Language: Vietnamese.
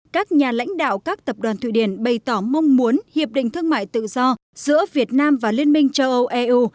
các nhà lãnh đạo các tập đoàn thụy điển bày tỏ mong muốn hiệp định thương mại tự do giữa việt nam và liên minh châu âu eu